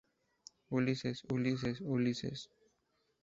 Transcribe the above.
¡ Ulises! ¡ Ulises! ¡ Ulises!